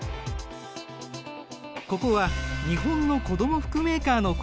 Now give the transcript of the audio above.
ここは日本の子供服メーカーの工場。